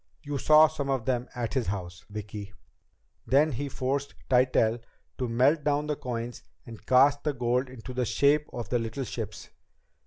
You saw some of them at his house, Vicki. He then forced Tytell to melt down the coins and cast the gold in the shape of the little ships.